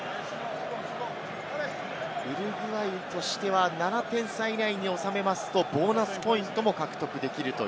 ウルグアイとしては７点差以内に収めるとボーナスポイントも獲得できる。